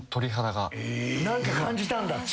何か感じたんだ。